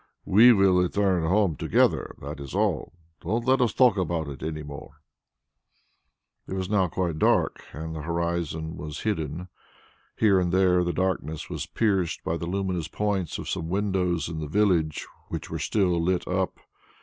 We will return home together, that is all. Don't let us talk any more about it." It was now quite dark, and the horizon was hidden. Here and there the darkness was pierced by the luminous points of some windows in the village which were still lit up.